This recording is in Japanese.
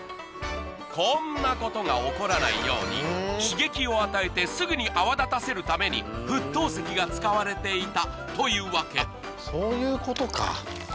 こんなことが起こらないように刺激を与えてすぐに泡立たせるために沸騰石が使われていたというわけそういうことか。